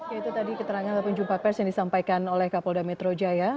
ya itu tadi keterangan ataupun jumpa pers yang disampaikan oleh kapolda metro jaya